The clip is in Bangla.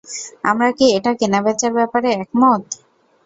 আমরা কি এটা কেনা-বেচার ব্যাপারে একমত?